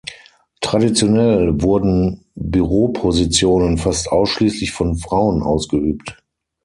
Traditionell wurden Büropositionen fast ausschließlich von Frauen ausgeübt.